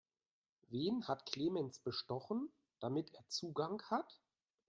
Wen hat Clemens bestochen, damit er Zugang hat?